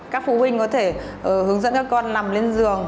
các phụ huynh có thể hướng dẫn các con nằm lên giường